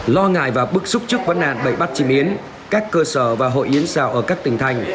lo ngại và bức xúc chức vấn đạn bẫy bắt chim yến các cơ sở và hội yến xào ở các tỉnh thành